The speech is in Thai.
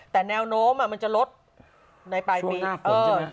แต่แนวโน้มมันจะลดในปลายปีช่วงหน้าฝนใช่ไหม